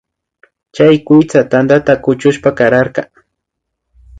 Chay kuytsa tandata kuchushpa kararka